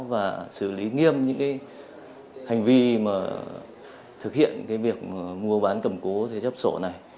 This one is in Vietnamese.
và xử lý nghiêm những cái hành vi mà thực hiện cái việc mua bán cầm cố thế chấp sổ này